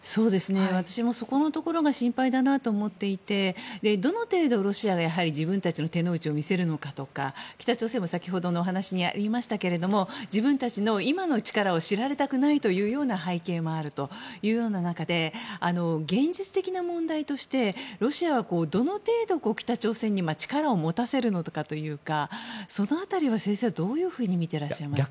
私もそこのところが心配だなと思っていてどの程度、ロシアが自分たちの手の内を見せるのかとか北朝鮮も先ほどのお話にありましたけど自分たちの今の力を知られたくない背景もある中で現実的な問題としてロシアはどの程度北朝鮮に力を持たせるのかというかその辺りは先生、どういうふうにみてらっしゃいますか？